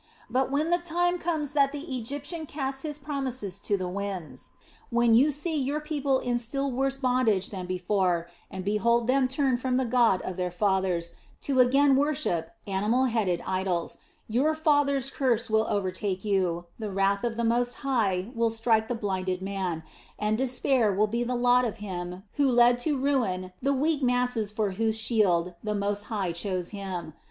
But when the time comes that the Egyptian casts his promises to the winds, when you see your people in still worse bondage than before and behold them turn from the God of their fathers to again worship animal headed idols, your father's curse will overtake you, the wrath of the Most High will strike the blinded man, and despair will be the lot of him who led to ruin the weak masses for whose shield the Most High chose him.